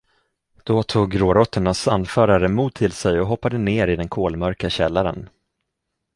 Då tog gråråttornas anförare mod till sig och hoppade ner i den kolmörka källaren.